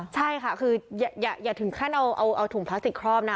ใช่ค่ะคืออย่าถึงขั้นเอาถุงพลาสติกครอบนะ